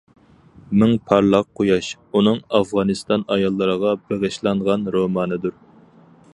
« مىڭ پارلاق قۇياش» ئۇنىڭ ئافغانىستان ئاياللىرىغا بېغىشلانغان رومانىدۇر.